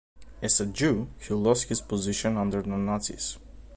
As a Jew, he lost his position under the Nazis.